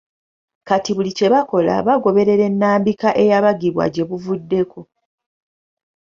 Kati buli kye bakola bagoberera ennambika eyabagibwa gye buvuddeko